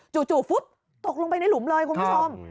ฟุ๊บตกลงไปในหลุมเลยคุณผู้ชม